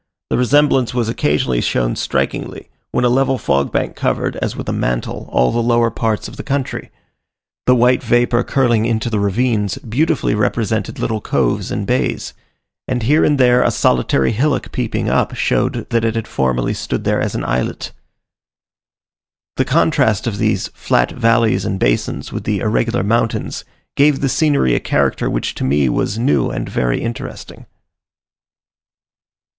The resemblance was occasionally shown strikingly when a level fog bank covered, as with a mantle, all the lower parts of the country: the white vapour curling into the ravines, beautifully represented little coves and bays; and here and there a solitary hillock peeping up, showed that it had formerly stood there as an islet. The contrast of these flat valleys and basins with the irregular mountains, gave the scenery a character which to me was new and very interesting.